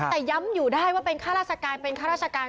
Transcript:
แต่ย้ำอยู่ได้ว่าเป็นข้าราชการเป็นข้าราชการ